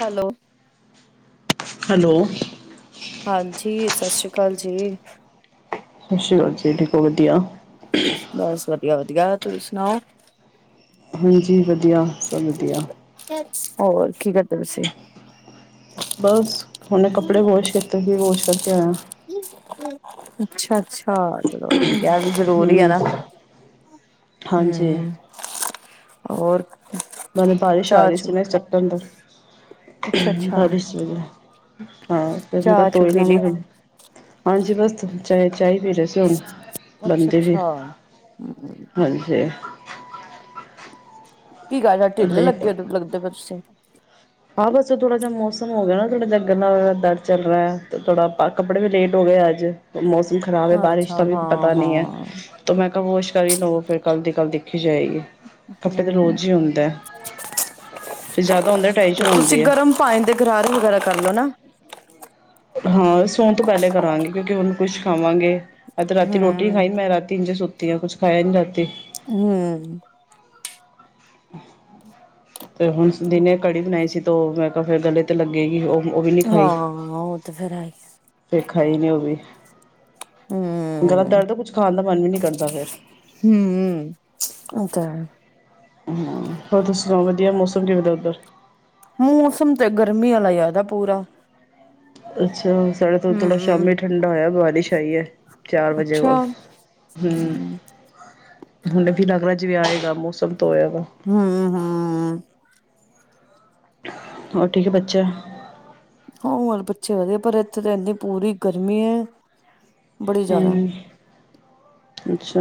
Hello. Hello. ਹਾਂਜੀ, ਸਸ਼੍ਰੀ ਕਾਲ ਜੀ। ਸ਼ਸੀ ਕਾਲ ਜੀ ਠੀਕ ਓ ਵਧੀਆ? ਬੱਸ ਵਧੀਆ-ਵਧੀਆ, ਤੁਸੀ ਸੁਣਾਓ? ਹਾਂਜੀ, ਵਧੀਆ। ਸਭ ਵਧੀਆ ਹੋਰ ਕੀ ਕਰਦੇ ਤੁਸੀਂ? ਬੱਸ ਉਹਨੇ ਕੱਪੜੇ ਵੋਸ਼ ਕੀਤੇ ਸੀ ਵੋਸ਼ ਕਰਕੇ ਆਇਆ। ਅੱਛਾ-ਅੱਛਾ ਚਲੋ। ਵਿਆਹ ਵੀ ਜ਼ਰੂਰੀ ਏ ਐ ਨਾ, ਹਾਂਜੀ ਹਮ ਹੋਰ ਨਹੀਂ-ਨਹੀਂ ਬਾਰਿਸ਼ ਆ ਚਾਹ ਰਹੀ ਸੀ ਚੂ ਨਾ ਚਟ ਅੰਦਰ ਅੱਛਾ ਅੱਛਾ ਬਾਰਿਸ਼ ਹਾਂ, ' ਚਾਹ ਚੂ ਪੀ ਲਈ [unintelligible] ' ਹਾਂਜੀ ਬੱਸ 'ਚ' ਚਾਹੀ ਪੀ ਰਹੇ ਅੱਛਾ ਬੰਦੀ ਵੀ ਅੱਛਾ ਹਮ ਹਾਂਜੀ ਕੀ ਗੱਲ ਏ ਢਿੱਲੇ ਲੱਗੇ ਲੱਗਦੇ ਪਏ ਤੁਸੀਂ? ਹਾਂ ਬੱਸ ਥੋੜ੍ਹਾ ਜਿਹਾ ਮੌਸਮ ਹੋ ਗਿਆ ਨਾ ਥੋੜਾ ਜਿਹਾ ਗੰਨਾ ਦਰਦ ਚੱਲ ਰਿਹਾ ਹੈ, ਤੇ ਥੋੜਾ ਕੱਪੜੇ ਵੀ ਲੇਟ ਹੋ ਗਏ ਅੱਜ। ਮੌਸਮ ਖ਼ਰਾਬ ਐ, ਬਾਰਿਸ਼ ਅੱਛਾ ਦਾ ਵੀ ਹਾਂ ਪਤਾ ਨਹੀਂ ਐ। ਹਾਂ ਤਾਂ ਮੈਂ ਕ ਵਾਸ਼ ਕਰ ਹੀ ਲਵਾਂ, ਫਿਰ ਕੱਲ੍ਹ ਦੀ ਕੱਲ੍ਹ ਦਿਖੀ ਜਾਏਗੀ। [unintelligible] ਕੱਪੜੇ ਤੇ ਹਮ ਰੋਜ਼ ਹੀ ਹੁੰਦਾ [unintelligible] ਫੇਰ ਜਿਆਦਾ ਹੁੰਦਾ ਟਾਈ ਤੇ ਤੁਸੀਂ ਗਰਮ ਪਾਣੀ ਦੇ ਗਰਾਰੇ ਵਗੈਰਾ ਕਰ ਲੋ ਨਾ। ਹਾਂ ਸੋਣ ਪਹਿਲੇ ਤੋਂ ਕਰਾਂਗੇ, ਕਿਉਂਕਿ ਉਹਨੂੰ ਕੁਛ ਖਾਵਾਂਗੇ। ਅੱਜ ਰਾਤੀ ਰੋਟੀ ਨੀ ਹਮ ਖਾਈ, ਮੈਂ ਰਾਤੀ ਇੰਝੇ ਸੁੱਤੀ ਹਾਂ, ਕੁੱਛ ਖਾਇਆ ਨੀ ਰਾਤੀ। ਹੂੰ। ਤੇ ਹੁਣ ਦਿਨੇ ਕੜੀ ਬਣਾਈ ਸੀ, ਤੋਂ ਮੈਂ ਕਿਹਾ ਫੇਰ ਗਲੇ ਤੇ ਲੱਗੇਗੀ ਉਹ। ਹਾਂ, ਉਹ ਤੇ ਫੇਰ ਆ। ਫੇਰ ਖਾਈ ਨੀ ਉਹ ਵੀ, ਗਲਾ ਹਮ ਦਰਦ ਕੁਛ ਖਾਣ ਦਾ ਮਨ ਵੀ ਨੀ ਕਰਦਾ ਫੇਰ। ਹਮ, ਇਹ ਤਾਂ ਹੈ। ਹਮ, ਹੋਰ ਦੱਸੋ? ਵਧੀਆ, ਮੌਸਮ ਕਿਵੇਂ ਦਾ ਉੱਧਰ। ਮੌਸਮ ਤੇ ਗਰਮੀ ਵਾਲਾ ਹੈਗਾ ਪੂਰਾ। ਅੱਛਾ, ਸਾਡੇ ਤੋਂ ਥੋੜ੍ਹਾ ਸ਼ਾਮੀ ਹੂੰ, ਠੰਡਾ ਹੋਇਆ, ਬਾਰਿਸ਼ ਆਈ ਏ। ਚਾਰ ਅੱਛਾ। ਵਜੇਲ, ਹੂੰ। ਹੁਣ ਵੀ ਲੱਗਦਾ ਜਿਵੇਂ ਆਏਗਾ, ਮੌਸਮ ਤੋਂ ਹੋਇਆ ਵਾ। ਹਮ-ਹਮ। ਹੋਰ ਠੀਕ ਐ ਬੱਚਾ। ਹਰ ਬੱਚੇ ਵਧੀਆ, ਪਰ ਇੱਥੇ ਤਾਂ ਇੰਨੀ ਪੂਰੀ ਗਰਮੀ ਹੈ। ਹਮ, ਅੱਛਾ,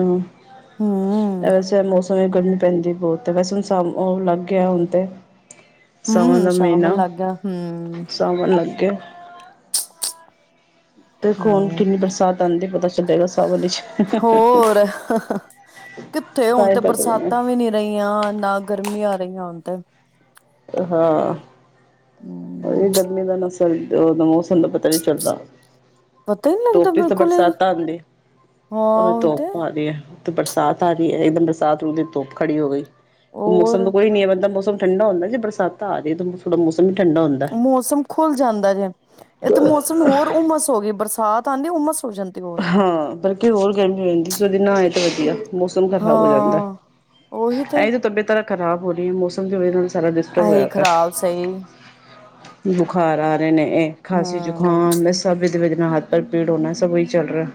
ਹੂੰ-ਹੂੰ, ਵੈਸੇ ਮੌਸਮ ਸਮੇਂ ਗਰਮੀ ਪੈਂਦੀ ਬਹੁਤ ਵੈਸੇ ਸਾਵਨ ਲੱਗ ਗਿਆ ਹੁਣ ਤੇ। ਹਮ-ਹਮ, ਸਾਵਣ ਲੱਗ ਗਿਆ, ਹਮ। ਸਾਵਨ ਲੱਗ ਗਿਆ। ਦੇਖੋ ਹੂੰ, ਕਿੰਨੀ ਬਰਸਾਤ ਆਉਂਦੀ ਪਤਾ ਚੱਲੇਗਾ, ਸਾਵਨ ਵਿੱਚ। ਹੋਰ। ਕਿੱਥੇ ਤਾਂ ਹੁਣ ਹੀ ਤੇ ਪਤਾ ਲੱਗਣਾ। ਬਰਸਾਤਾਂ ਵੀ ਨੀ ਰਹੀਆਂ, ਨਾ ਗਰਮੀਆਂ ਰਹੀਆਂ। ਹਾਂ, ਹੂੰ, ਗਰਮੀ ਦਾ ਨਸਾ 'ਚ ਮੋਸਮ ਦਾ ਪਤਾ ਨਹੀਂ ਚੱਲਦਾ। ਪਤਾ ਹੀ ਨੀ ਲੱਗਦਾ ਧੁੱਪ 'ਚ ਵੀ ਬਿਲਕੁਲ ਬਰਸਾਤਾਂ ਹਾਂ ਆਉਂਦੇ। ਅਕੇ ਉਹ ਤੇ ਧੁੱਪ ਆਂਦੀ। ਬਰਸਾਤ ਆ ਰਹੀ ਏ, ਇਕਦਮ ਬਰਸਾਤ ਹੁੰਦੀ, ਦੀ ਧੁੱਪ ਖੜੀ ਹੋ ਗਈ, ਮੌਸਮ ਹੋਰ ਤੋਂ ਕੋਈ ਨੀ ਹੈ, ਮਤਲਬ। ਠੰਡਾ ਹੁੰਦਾ ਜੇ ਬਰਸਾਤਾਂ ਆਜੇ, ਤਾਂ ਥੋੜਾ ਬਹੁਤ ਠੰਡਾ ਹੁੰਦਾ। ਮੌਸਮ ਖੁੱਲ ਜਾਂਦਾ ਜੇ, ਇਹ ਤਾਂ ਮੌਸਮ ਹੋਰ ਉਮਸ ਹੋ ਗਈ, ਬਰਸਾਤ ਤਾਂਦੀ ਹੁੰਮਸ ਹੋ ਜਾਂਦੀ, ਹੋਰ। ਹਾਂ ਬਲਕਿ ਹੋਰ ਗਰਮੀ ਹੋ ਜਾਂਦੀ ਸੀ, ਤੁਸੀਂ ਉਹਦੇ ਨਾਏ ਤਾਂ ਵਧੀਆ। ਮੌਸਮ ਤਾਂ ਖ਼ਰਾਬ ਹੋ ਜਾਂਦਾ, ਹਾਂ ਉਹੀ ਤੇ ਐ ਜੋ ਤਬੀਅਤਾਂ ਤਾਂ ਖਰਾਬ ਹੋ ਰਹੀ ਹੈ, ਮੌਸਮ ਦੀ ਵਜ੍ਹਾ ਨਾਲ। ਸਾਰਾ ਡਿਸਟਰਬ ਹੋਇਆ ਇਹੀ ਪਿਆ। ਖ਼ਰਾਬ ਸਹੀ [unintelligible] ਬੁਖਾਰ ਆ ਰਹੇ ਨੇ, ਇਹ ਹਮ ਖਾਸੀ-ਜ਼ੁਕਾਮ ਸਭ ਇਹਦੇ ਨਾਲ ਹੱਥ ਪੈਰ ਪੀੜ ਹੋਣਾ ਸਭ ਚੱਲ ਰਿਹਾ।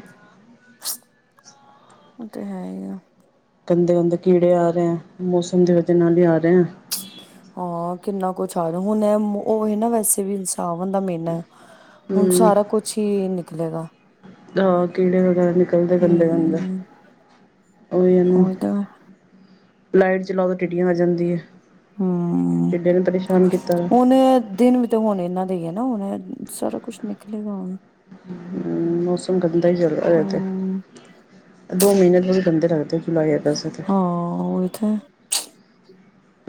ਉਹ ਤਾਂ ਹੈ ਹੀ ਆ। ਗੰਦੇ- ਗੰਦੇ ਕੀੜੇ ਆ ਰਹੇ ਹੈ, ਮੌਸਮ ਦੀ ਵਜਾ ਨਾਲ ਹੀ ਆ ਰਹੇ ਹੈ। ਹਾਂ ਕਿੰਨਾ ਕੁਛ ਆ ਜਾ ਹੁਣ ਉਹ ਨਾ ਵੈਸੇ ਵੀ ਇ ਸਾਵਨ ਦਾ ਮਹੀਨਾ, ਹੁਣ ਹਮ ਸਾਰਾ ਕੁਛ ਹੀ ਨਿਕਲੇਗਾ। ਹਹ ਕੀੜੇ ਵਗੈਰਾ ਨਿਕਲਦੇ ਗੰਦੇ -ਗੰਦੇ, ਹਮ ਉਹੀ ਆ ਨਾ। ਉਹਦਾ ਲਾਈਟ ਚਲਾਉ, ਤਾਂ ਟਿੱਡੀਆਂ ਆ ਜਾਂਦੀਆਂ ਐ। ਹਮ, ਹੁਣ ਦਿਨ ਵੀ ਤਾਂ ਹੁਣ ਇਹਨਾਂ ਦਾ ਹੀ ਨਾ ਹੁਣ ਸਾਰਾ ਕੁਛ ਨਿਕਲੇਗਾ ਹੁਣ। ਹਮ ਮੌਸਮ ਗੰਦਾ ਹੀ ਚੱਲਦਾ ਆ ਤੇ ਹਮ [unintelligible] ਹਾਂ, ਉਹੀ ਤੇ।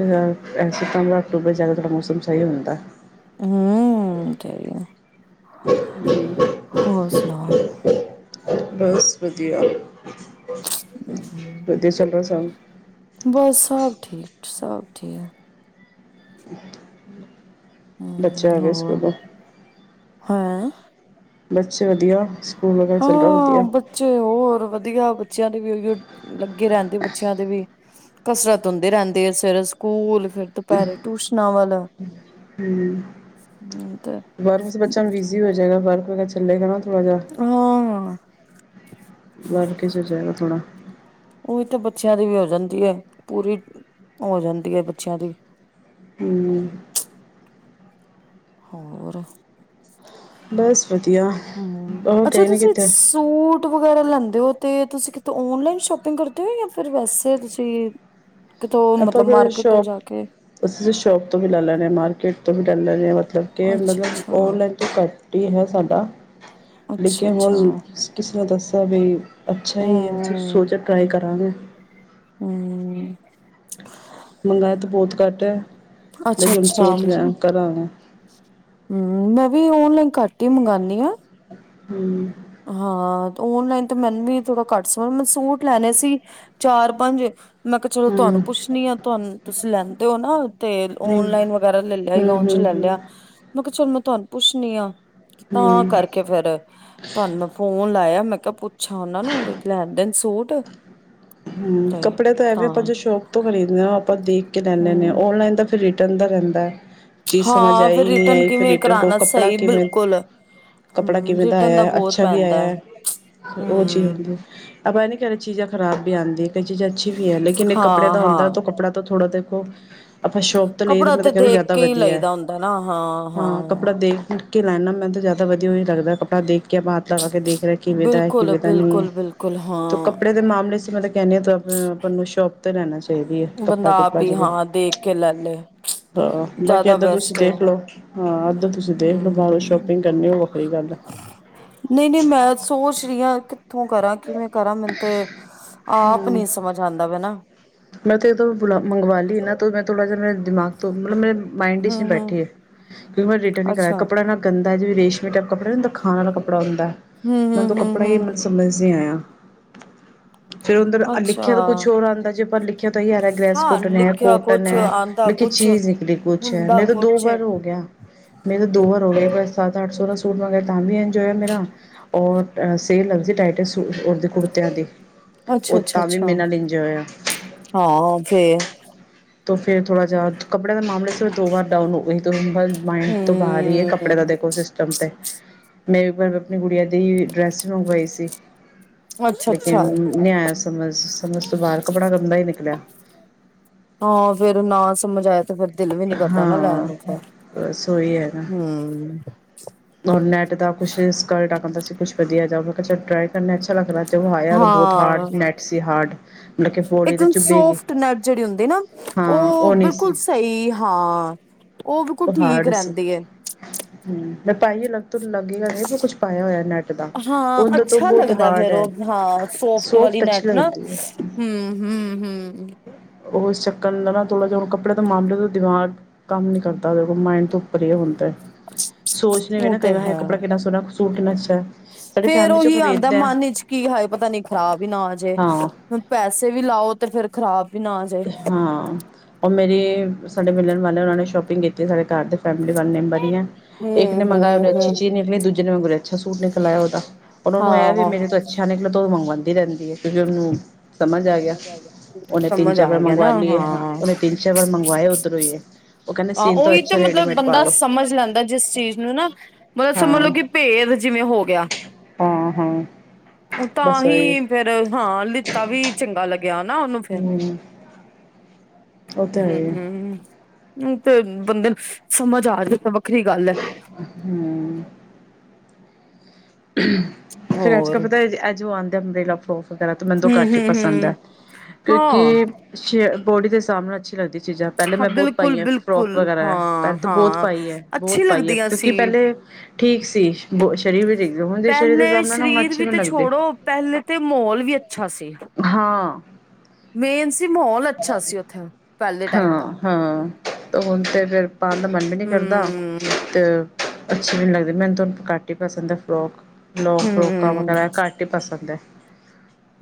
ਐਸੇ ਹਿਸਾਬ ਮੌਸਮ ਸਹੀ ਹੁੰਦਾ। ਹਮ ਸਹੀ ਆ ਹੋਰ ਸੁਣਾਓ? ਬਸ ਵਧੀਆ-ਵਧੀਆ ਚੱਲ ਰਿਹਾ। ਬਸ ਸਭ ਠੀਕ ਸਭ ਠੀਕ। [inaudible] ਬੱਚੇ ਹਮ ਆ ਗਏ ਹੋਰ। ਸਕੂਲੋਂ ਹੈਏ ਬੱਚੇ ਵਧੀਆ ਸਕੂਲ ਵਗੈਰਾ ਚੱਲ ਹਾਂ ਵਧੀਆ। ਬੱਚੇ ਹੋਰ ਵਧੀਆ ਬੱਚਿਆਂ ਦੇ ਵੀ ਉਹੀਓ ਲੱਗੇ ਰਹਿੰਦੇ ਬੱਚਿਆਂ ਦੇ ਵੀ। ਕਸਰਤ ਹੁੰਦੀ ਰਹਿੰਦੀ ਸਵੇਰੇ ਸਕੂਲ ਫਿਰ ਟਿਊਸ਼ਨਾਂ ਵੱਲ ਹਮ ਤੇ। ਵਰਕ ਸੇ ਬੱਚਾ ਬਿਜ਼ੀ ਹੋ ਜਾਏਗਾ ਬਾਰਕ ਵਗ ਚੱਲਗਾ ਨਾ ਥੋੜਾ ਜਹ। ਹਾਂ ਵਰ ਕੇ ਚ ਜਾਏਗਾ ਥੋੜਾ। ਉਹ ਤਾਂ ਬੱਚਿਆਂ ਦੀ ਵੀ ਹੋ ਜਾਂਦੀ ਐ। ਪੂਰੀ ਹੋ ਜਾਂਦੀ ਐ ਬੱਚਿਆਂ ਦੀ। ਹਮ ਹੋਰ ਬਸ ਵਧੀਆ ਹਮ, ਉਹ ਅੱਛਾ ਗਏ ਨਹੀਂ ਤੁਸੀਂ ਕਿਤੇ ਸੂਟ ਵਗੈਰਾ ਲੈਦੇ ਹੋ ਤੇ ਤੁਸੀ ਕਿਤੇ ਔਨਲਾਈਨ ਸ਼ੋਪਿੰਗ ਕਰਦੇ ਹੋ। ਜਾਂ ਫਿਰ ਵੈਸੇ ਤੁਸੀ ਕਿਤੋਂ ਮਤਲਬ ਮਾਰਕੀਟ ਤੋਂ ਜਾ ਕੇ ਅਸੀ ਸ਼ੋਪ ਤੋਂ ਵੀ ਲੈ ਲੈਨੇ ਆਂ, ਮਾਰਕੀਟ ਤੋਂ ਵੀ ਲੈ ਲੈਨੇ ਆਂ ਮਤਲਬ ਅੱਛਾ-ਅੱਛਾ, ਔਨਲਾਈਨ ਘੱਟ ਹੀ ਏ ਸਾਡਾ। ਅੱਛਾ-ਅੱਛਾ, ਲੇਕਿਨ ਕਿਸੇ ਨੇ ਦੱਸਿਆ ਵੀ ਅੱਛਾ ਹੀ ਏ ਅ ਹੂੰ। ਸੋਚ ਕੇ ਟਰਾਈ ਕਰਾਂਗੇ। ਹਮ। ਹਮ। ਮੰਗਾਏ ਤਾਂ ਬਹੁਤ ਘੱਟ ਐ ਲੇਕਿਣ ਅੱਛਾ-ਅੱਛਾ, ਸੋਚ ਰਿਹਾ ਕਰਾਂ ਨਾ। ਹਮ ਮੈਂ ਵੀ ਓਨਲਾਈਨ ਘੱਟ ਹੀ ਮੰਗਾਣੀ ਆਂ। ਹਮ। ਹਾਂ, ਓਨਲਾਈਨ ਤੇ ਮੈਨੂੰ ਵੀ ਥੋੜਾ ਘੱਟ ਸਮਾਂ ਮੈਂ ਸੂਟ ਲੈਣੇ ਸੀ। ਚਾਰ-ਪੰਜ। ਮੈ ਕਿਹਾ ਚਲੋ ਹੂੰ ਤੁਹਾਨੂੰ ਪੁੱਛਣੀ ਆ। ਤੁਹਾਨੂੰ ਤੁਸੀਂ ਲੈਂਦੇ ਹੋ ਨਾ ਤੇ ਹੂੰ ਹੂੰ ਔਨਲਾਈਨ ਵਗੈਰਾ ਲੈ ਲਿਆ ਹੀ ਹੂੰ ਜੇ ਲੈ ਹੂੰ ਲਿਆ ਮੈਂ ਕਿਹਾ ਚਲੋ ਮੈਂ ਤੁਹਾਨੂੰ ਪੁੱਛਣੀ ਆ। ਕਿ ਤਾਂ ਹੂੰ ਹੂੰ ਕਰਕੇ ਫਿਰ। ਤੁਹਾਨੂੰ ਮੈਂ ਫੋਨ ਲਾਇਆ ਮੈਂ ਕਿਹਾ ਪੁੱਛਾਂ ਉਹਨਾਂ ਨੂੰ ਵੀ ਲੈਣ-ਦੇਣ ਸੂਟ। ਹਮ ਤੇ ਕੱਪੜੇ ਤਾਂ ਐਵੇਂ ਆਪਾਂ ਸ਼ੋਕ ਤੋਂ ਖਰੀਦਦੇ ਆ। ਆਪਾਂ ਦੇਖ ਕੇ ਲੈ ਲੈਣੇ ਹੁਨੇ ਆ। ਹੂੰ। ਔਨਲਾਈਨ ਤਾਂ ਫਿਰ ਰਹਿੰਦਾ-ਰਹਿੰਦਾ ਚੀ ਸਮਝ ਹਾਂ ਫਿਰ ਆਈ ਨਹੀਂ ਰਿਟਰਨ ਆਈ ਫਿਰ ਕਿਵੇਂ ਰਿਨ ਕੋ ਕਰਾਣਾ ਕੱਪੜਾ ਸਹੀ ਕਿਵੇਂ ਬਿਲਕੁਲ ਕੱਪੜਾ ਹਮ ਕਿਵੇ ਦਾ ਰਿਟਰਨ ਆਇਆ ਬਹੁਤ ਅੱਛਾ ਵੀ ਪੈਂਦਾ ਆਇਆ ਹੈ ਐ। ਉਹ ਚੀਜ਼ ਹਮ ਹੁੰਦੀ ਐ। ਪਤਾ ਨਹੀਂ ਕਦੇ ਚੀਜ਼ਾਂ ਖ਼ਰਾਬ ਵੀ ਆਂਦੀ ਏ। ਕਈ ਚੀਜ਼ਾਂ ਅੱਛੀ ਵੀ ਐ। ਲੇਕਿਨ ਇੱਕ ਕੱਪੜਾ ਹਾਂ ਦਾ ਹੁੰਦਾ ਹਾਂ ਐ ਕੱਪੜਾ ਤਾਂ ਥੋੜਾ ਦੇਖੋ। ਆਪਾਂ ਸ਼ੋਪ ਤੋਂ ਲਈ ਤਾਂ ਕੱਪੜਾ ਮੈਂ ਤੇ ਤਾਂ ਕਹਿ ਲਓ ਦੇਖ ਜ਼ਿਆਦਾ ਕੇ ਹੀ ਵਧੀਆ। ਲਈਦਾ ਹੁੰਦਾ ਨਾ ਹਾਂ ਕੱਪੜਾ ਦੇਖ ਕੇ ਕਿ ਮੈਨੂੰ ਤਾਂ ਜ਼ਿਆਦਾ ਵਧੀਆ ਹੀ ਲੱਗਦਾ। ਕੱਪੜਾ ਦੇਖ ਕੇ ਹੱਥ ਲਾ ਦੇ ਕੇ। ਕਿਵੇਂ ਦਾ ਐ ਬਿਲਕੁਲ ਕਿਵੇਂ ਦਾ ਨਹੀਂ ਬਿਲਕੁਲ ਬਿਲਕੁਲ ਐ ਹਾਂ ਕੱਪੜੇ ਦੇ ਮਾਮਲੇ ਚ ਮੈਂ ਕਹਿੰਨੀ ਆ। ਆਪਨੂੰ ਸ਼ੋਪ ਤੇ ਲੈਣਾ ਚਾਹੀਦੀ ਐ ਬੰਦਾ ਆਪ ਕੱਪੜਾ-ਕੁਪੜਾ ਹੀ ਜਦੋਂ। ਹਾਂ ਦੇਖ ਕੇ ਲੈ ਲੇ ਹਾਂ, ਬਾਕੀ ਜ਼ਿਆਦਾ ਇੱਧਾਂ ਤੁਸੀਂ ਬੈਸਟ ਹੈ ਦੇਖ ਉਹ ਲਓ ਹਾਂ। ਅੱਧਰ ਤੁਸੀਂ ਦੇਖ ਲਓ ਹਮ ਬਾਹਰੋਂ ਸ਼ੋਪਿੰਗ ਕਰਨੀ ਉਹ ਵੱਖਰੀ ਗੱਲ ਐ। [inaudible] ਨਹੀਂ-ਨਹੀਂ ਮੈਂ ਸੋਚ ਰਹੀ ਆਂ। ਕਿੱਥੋਂ ਕਰਾਂ ਕਿਵੇਂ ਕਰਾਂ ਮੈਨੂੰ ਤੇ ਆਪ ਨੀ ਸਮਝ ਆਂਦਾ ਵਾ ਨਾ ਮੈਂ ਤੇ ਇਹਦੋਂ ਬੁਲਾ ਮੰਗਵਾ ਲਈ ਨਾ। ਮੈਂ ਥੋੜ੍ਹਾ ਜਿਹਾ ਮੇਰੇ ਦਿਮਾਗ ਤੋਂ ਮਤਲਬ ਮੇਰੇ ਮਾਇੰਡ ਨ ਹਮ ਹਮ ਬੈਠੇ ਆ। ਕਿਉਂਕਿ ਮੈਂ ਰਿਟਰਨ ਨਾ ਕਰਿਆ ਅੱਛਾ ਕੱਪੜਾ ਨਾ ਗੰਦਾ ਜਿਵੇਂ ਰੇਸ਼ਮੀ ਟਾਈਪ ਕੱਪੜਾ ਨੀ ਹੁੰਦਾ ਖਾਣ ਵਾਲਾ ਕੱਪੜਾ‌ ਹੁੰਦਾ ਹਮ ਮੈਨੂੰ ਤਾਂ ਹਮ ਹਮ ਕੱਪੜਾ ਹੀ ਹਮ ਸਮਝ ਨੀ ਆਇਆ। ਫਿਰ ਉਧਰ ਲਿਖਿਆ ਤਾਂ ਅੱਛਾ ਕੁਛ ਹੋਰ ਆਂਦਾ ਜੇ ਆਪਾਂ ਲਿਖਿਆ। ਕਿਆ ਯਾਰ ਗ੍ਰੈਸ ਹਾਂ ਕੋਟਨ ਹੈ, ਲਿਖਿਆ ਕੋਟਨ ਕੁਛ ਹੈ ਆਂਦਾ ਲੇਕਿਨ ਕੁਛ ਚੀਜ਼ ਨਿਕਲੀ ਕੁਛ ਹੈ, ਹੁੰਦਾ ਮੇਰੇ ਤੋਂ ਦੋ ਕੁਛ ਏ। ਵਾਰ ਹੋ ਮੇਰੇ ਦੋ ਵਾਰ ਹੋ ਲਿਆ ਸੱਤ ਅੱਠ ਸੌ ਦਾ ਸੂਟ ਮੰਗਵਾਇਆ ਤਾਂ ਇੰਜੋ ਇਆ ਮੇਰਾ ਔਰ ਸੇਲ ਲੱਗਦੀ ਹੈ, ਢਾਈ-ਢਾਈ ਸੌ ਦੇ ਕੁੜਤਿਆਂ ਦੀ ਉਹ ਅੱਛਾ ਅੱਛਾ ਤਾਂ ਵੀ ਅੱਛਾ। ਮੇਰੇ ਨਾਲ ਇੰਜੋ ਇਆ ਹਾਂ ਫਿਰ 'ਤੇ ਫਿਰ ਥੋੜ੍ਹਾ ਜਿਹਾ ਕੱਪੜੇ ਦਾ ਮਾਮਲਾ ਚ ਫਿਰ ਦੋ ਵਾਰ ਡਾਊਨ ਹੋ ਗਏ ਤੁਹੀ ਮਾਇੰਡ ਤੋਂ ਬਾਹਰ ਹੀ ਹੈ ਕੱਪੜੇ ਦਾ ਹੂੰ। ਦੇਖੋ ਸ ਟਮ 'ਤੇ ਮੈਂ ਵੀ ਆਪਣੀ ਗੁਡੀਆਂ ਦੀ ਡਰੈਸ ਮੰਗਵਾਈ ਸੀ। ਅੱਛਾ ਲੇਕਿਨ ਅੱਛਾ ਨੀ ਆਇਆ ਸਮਝ-ਸਮਝ ਤੋਂ ਬਾਹਰ ਕੱਪੜਾ ਗੰਦਾਂ ਹੀ ਨਿਕਲਿਆ ਹਾਂ ਫੇਰ ਨਾ ਸਮਝ ਆਇਆ 'ਤੇ ਫਿਰ ਦਿਲ ਵੀ ਨੀ ਕਰਦਾ ਨਾ ਲੈਣ ਹਾਂ ਨੂੰ ਫਿਰ ਬਸ ਉਹੀ ਹੈਗਾ। ਹੂੰ ਔਰ ਨੈਟ ਦਾ ਕੁਛ ਸਕਟਦਾ ਸੀ, ਕੁਛ ਵਧੀਆ ਜਾ ਮੈਂ ਕਿਹਾ 'ਚ ਟਰਾਈ ਕਰਨਾ ਅੱਛਾ ਲੱਗਦਾ। ਆਇਆ ਤਾਂ ਬਹੁਤ ਹਾਰਡ ਹਾਂ ਮੈਚ ਸੀ, ਹਾਰਡ ਮਤਲਬ ਕਿ ਬੋਡੀ ਤੇ ਇੱਕਦਮ ਚੁੱਭੇਗੀ ਸੋਫਟ ਨੈਟ ਜਿਹੜੀ ਹੁੰਦੀ ਨਾ ਹਾਂ ਉਹ ਨਹੀਂ ਬਿਲਕੁਲ ਸੀ ਸਹੀ ਹਾਂ। ਬਿਲਕੁਲ ਉਹ ਠੀਕ ਹਾਰਡ ਸੀ ਰਹਿੰਦੀ ਏ। ਹੂੰ ਮੈਂ ਪਾਈ ਲੱਗ ਲੱਗੇਗਾ ਨਹੀਂ ਕੁਛ ਪਾਇਆ ਹੋਇਆ ਨੈੱਟ ਦਾ ਹਾਂ ਉਂਦੇ ਤੋਂ ਅੱਛਾ ਬਹੁਤ ਲੱਗਦਾ ਹਾਰਡ ਫੇਰ ਹੈ। ਉਹ ਹਾਂ, ਸੋਫਟ ਵਾਲੀ ਅੱਛੀ ਨੈਟ ਨਾ ਲੱਗਦੀ ਹੂੰ ਹੂੰ ਹੂੰ ਉਸ ਚੱਕਣ ਦਾ ਨਾ ਥੋੜ੍ਹਾ ਜਿਹਾ ਹੁਣ ਕੱਪੜੇ ਦੇ ਮਾਮਲੇ ਤੋਂ ਦਿਮਾਗ ਕੰਮ ਨੀ ਕਰਦਾ। ਮਾਇਡ ਤੋਂ ਉਪਰ ਹੀ ਹੁੰਦਾ ਸੋਚ ਵੀ ਉਹ ਨਾ ਕਈ ਵਾਰ ਹਾਏ ਕੱਪੜਾ ਸੋਹਣਾ ਸੂਟ ਕਿਨਾ ਸਿਰਾ ਫਿਰ ਉਹੀ ਆਉਂਦਾ ਮਨ ਵਿਚ ਕੀ ਹਾਏ ਪਤਾ ਨੀ ਖ਼ਰਾਬ ਹੀ ਨਾ ਜੇ ਹਾਂ ਹੁਣ ਪੈਸੇ ਵੀ ਲਾਓ ਤੇ ਫਿਰ ਖ਼ਰਾਬ ਵੀ ਨਾ ਆ ਜਾਏ। ਹਾਂ। ਉਹ ਮੇਰੀ ਸਾਡੇ ਮਿਲਣ ਵਾਲੇ ਨੇ ਉਨ੍ਹਾਂ ਨੇ ਸ਼ੌਪਿੰਗ ਕੀਤੀ ਸਾਡੇ ਘਰ ਦੇ ਫੈਮਿਲੀ ਵਾਲੇ ਮੈਂਬਰ ਹੀ ਹੈ ਇੱਕ ਨੇ ਹੂੰ ਹੂੰ ਮੰਗਵਾਇਆ ਅੱਛੀ ਹੂੰ ਚੀਜ਼ ਨਿਕਲੀ ਦੂਜੇ ਮੰਗ ਅੱਛਾ ਸੂਟ ਨਿਕਲ ਲਾ ਉਹਦਾ ਉਹਨੂੰ ਇਹ ਵੀ ਹਾਂ। ਮੇਰੇ ਤੋਂ ਅੱਛਾ ਨਿਕਲਣ ਉਹ ਮੰਗਵਾਉਂਦੀ ਰਹਿੰਦੀ ਹੈ ਕਿਉਂਕਿ ਉਹਨੂੰ ਸਮਝ ਸਮਝ ਆ ਗਿਆ। ਸਮਝ ਤਿੰਨ-ਚਾਰ ਵਾਰ ਆ ਗਿਆ ਮੰਗਵਾ ਨਾ ਲਈਏ ਹਾਂ ਉਹਨੇ ਤਿੰਨ-ਚਾਰ ਵਾਰ ਮੰਗਵਾਇਆ ਉੱਧਰੋਂ ਏ ਆਹ, ਉਹੀ ਤਾਂ ਮਤਲਬ ਬੰਦਾ ਸਮਝ ਲੈਂਦਾ ਜਿਸ ਚੀਜ਼ ਨੂੰ ਨਾ ਬਸ ਸਮਝ ਲਓ ਹਾਂ ਕਿ ਭੇਦ ਜਿਵੇਂ ਹੋ ਗਿਆ। ਹਾਂ ਹਾਂ ਉਹ ਤਾਂ ਬਸ ਉਹੀ ਹੀ ਫਿਰ ਹਾਂ ਲਿੱਤਾ ਵੀ ਚੰਗਾ ਲੱਗਿਆ ਨਾ ਉਹਨੂੰ ਫੇਰ ਹੂੰ ਹੂੰ ਹੈ ਹੂੰ ਤੇ ਬੰਦੇ ਨੂੰ ਸਮਝ ਆ ਜਾਂਦਾ ਵੱਖਰੀ ਗੱਲ ਹੈ। ਹੂੰ ਫਿਰ ਅੱਜ ਕਾ ਹੋਰ ਪਤਾ ਅੱਜ ਜੋ ਆਂਦਾ ਅੰਮਰੇਲਾ ਵਗੈਰਾ ਤਾਂ ਮੈਨੂੰ ਹੂੰ ਘੱਟ ਹੀ ਹੂੰ ਪਸੰਦ ਆ ਹੂੰ ਹਾਂ ਕਿਉਂਕਿ ਸ਼ ਬੋਡੀ ਦੇ ਹਿਸਾਬ ਨਾਲ ਅੱਛੀ ਲਗਦੀਆਂ ਚੀਜ਼ਾਂ ਪਹਿਲੇ ਹਾਂ ਮੈਂ ਬਹੁਤ ਬਿਲਕੁਲ ਪਾਈ ਹੈ, ਬਿਲਕੁਲ ਫਰੋਕ ਵਗੈਰਾ ਹਾਂ ਪਹਿਲੇ ਤਾਂ ਬਹੁਤ ਹਾਂ ਪਾਈ ਹੈ, ਬਹੁਤ ਅੱਛੀ ਪਾਈ ਹੈ, ਲੱਗਦੀਆਂ ਸੀ ਕਿਉਂਕਿ ਪਹਿਲੇ ਠੀਕ ਸੀ, ਬ ਸਰੀਰ ਵੀ ਠੀਕ ਹੁਣ ਜੇ ਸਰੀਰ ਦੇ ਪਹਿਲੇ ਹਿਸਾਬ ਨਾ ਹੁਣ ਸਰੀਰ ਅੱਛੇ ਵੀ ਤੇ ਲੱਗਦੇ। ਛੋੜੋ ਪਹਿਲੇ ਤੇ ਮਾਹੌਲ ਵੀ ਅੱਛਾ ਸੀ। ਹਾਂ। ਮੇਨ ਸੀ ਮਾਹੌਲ ਅੱਛਾ ਸੀ ਉੱਥੇ ਪਹਿਲੇ ਟਾਈਮ ਦਾ ਹਾਂ, ਹਾਂ ਹੁਣ 'ਤੇ ਫਿਰ ਪਾਣ ਦਾ ਮਨ ਵੀ ਨਹੀਂ ਕਰਦਾ ਹਮ ਤੇ ਅੱਛੀ ਵੀ ਨਹੀਂ ਲੱਗਦੀ। ਮੈਨੂੰ ਤੁਹਾਨੂੰ ਘੱਟ ਹੀ ਪਸੰਦ ਏ, ਫਰੋਕ, ਲੋਗ ਫਰੋਕਾਂ ਹਮ ਵਗੈਰਾ ਘੱਟ ਹੀ ਪਸੰਦ ਏ।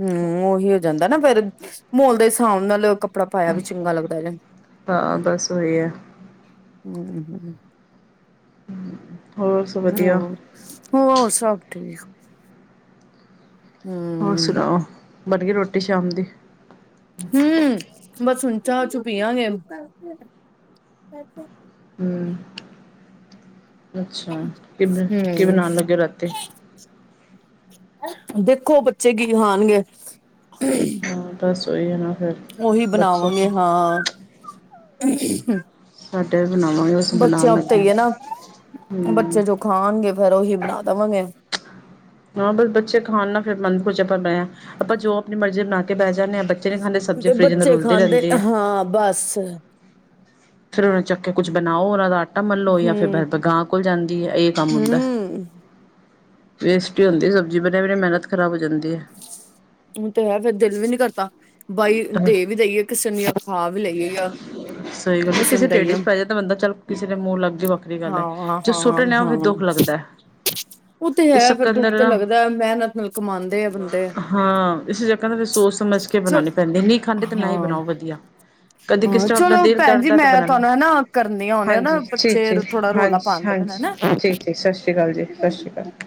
ਹਮ ਓਹੀ ਹੋ ਜਾਂਦਾ ਨਾ ਫਿਰ ਮੁੱਲ ਦੇ ਹਿਸਾਬ ਨਾਲ ਲੋਕ। ਕੱਪੜਾ ਪਾਇਆ ਵੀ ਚੰਗਾ ਲੱਗਦਾ ਇਹਨਾਂ ਹਾਂ ਬਸ ਉਹੀ ਹੈ ਨੂੰ। ਹੋਰ ਸਭ ਵਧੀਆ [inaudible] ਹੋਰ ਸਭ ਠੀਕ ਆ। ਹੋਰ ਹਮ ਸੁਣਾਓ ਬਣ ਗਈ ਰੋਟੀ ਸ਼ਾਮ ਦੀ। ਹਮ ਬਸ ਹੁਣ ਚਾਹ ਚੁ ਪੀਆ ਗੇ। ਹਮ‌ ਅੱਛਾ ਕੀ ਬਣਾਣ ਲੱਗਿਆ ਰਾਤੇ। ਦੇਖੋ ਬੱਚੇ ਕੀ ਖਾਣਗੇ। ਹੁਣ ਤਾਂ ਸਹੀ ਆ ਨਾ ਫਿਰ। ਉਹੀ ਬੱਚੇ ਬਣਾਵਾਂਗੇ ਹਾਂ। ਸਾਡੇ ਵੀ ਬਣਾਵਾਂਗੇ ਓ। ਬੱਚਿਆਂ ਉੱਤੇ ਏ ਨਾ ਹਮ ਬੱਚੇ ਜੋ ਖਾਣਗੇ। ਫਿਰ ਉਹੀ ਬਣਾਦੇਵਾਂਗੇ ਫਿਰ। ਹਾਂ ਬਸ ਬੱਚੇ ਖਾਣ ਨਾ ਫਿਰ ਮਨ ਖ਼ਰਾਬ ਹੋ ਜਾਂਦਾ ਆਪਾਂ ਬਣਾ ਲਈ ਜੋ ਆਪਣੀ ਮਰਜ਼ੀ ਬਣਾ ਕੇ ਬਹਿ ਜਾਂਦੇ ਹਾਂ। ਬੱਚੇ ਖਾਂਦੇ ਸਬਜ਼ੀ ਫਰਿਜ ਨੂੰ ਬੱਚੇ ਰੁਲਦੀ ਖਾਂਦੇ ਰਹਿੰਦੀ ਏ। ਹਾਂ ਬਸ। ਫਿਰ ਉਹਨੂੰ ਚੁੱਕ ਕੇ ਕੁੱਛ ਬਣਾਉ ਉਹਨਾਂ ਦਾ। ਆਮਲੂ ਹੂੰ ਕੋਲ ਜਾਂਦੀ ਏ ਇਹ ਕੰਮ ਹੁੰਦਾ। ਹੂੰ ਵੇਸਟ ਹੁੰਦੀ ਸਬਜ਼ੀ ਬਣ ਵੀ ਮਿਹਨਤ ਖਰਾਬ ਹੋ ਜਾਂਦੀ ਏ। ਉਹ ਤਾਂ ਏ ਫਿਰ ਦਿਲ ਵੀ ਨਹੀਂ ਕਰਦਾ। ਬਾਈ ਦੇ ਵੀ ਦਈਏ ਕਿਸੇ ਨੂੰ ਖਾ ਵੀ ਜਾਂ ਲਈਏ। ਸਹੀ ਗੱਲ ਆ ਕਿਸੇ ਨੂੰ ਦੇ ਢਿੱਡ ਦੇਈਏ। ਵਿੱਚ ਪੈ ਜਾਵੇ ਤਾਂ ਬੰਦਾ ਚਲ ਕਿਸੇ ਦੇ ਮੂੰਹ ਲਗਦੀ ਵੱਖਰੀ ਗੱਲ ਐ। ਹਾਂ ਹਾਂ ਜਦੋ ਸੁੱਟ ਦੇ ਤਾਂ ਫਿਰ ਹਾਂ ਦੁੱਖ ਲੱਗਦਾ। [inaudible] ਉਹ ਤੇ ਇਸ ਏ ਫਿਰ ਚੱਕਰ ਦੁੱਖ ਅੰਦਰ ਤੇ ਨਾ ਲੱਗਦਾ ਮਿਹਨਤ ਨਾਲ ਕਮਾਂਦੇ ਆ ਬੰਦੇ। ਹਾਂ ਇਸ ਜਗਾ ਤੇ ਅਫਸੋਸ ਸਮਝ ਕੇ ਚਲ ਬਣਾਣੀ ਪੈਦੀ ਨਹੀਂ ਖਾਦੇ ਤੇ ਨਾ ਹੀ ਹਾਂ ਬਣਾਓ ਵਧੀਆ। ਕਦੇ ਕਿਸੇ ਹਾਂ ਨੂੰ ਆਪਣਾ ਚਲੋ ਦਿਲ ਭੈਣ ਜੀ ਕਰ ਮੈਂ ਬਣਾ ਲ ਤੁਹਾਨੂੰ ਹਨਾ ਕਰਨੀ ਆ ਹੁਣੇ ਨਾ ਹਾਂਜੀ ਜੀ ਬੱਚੇ ਜੀ ਥੋੜਾ ਰੌਲਾ ਹਾਂਜੀ ਪਾਉਂਦੇ ਪਏ ਨੇ ਹਾਂਜੀ ਹਨਾ। ਜੀ ਜੀ, ਸ਼ਸ਼ੀ ਕਾਲ। ਸ਼ਸ਼ੀ ਕਾਲ।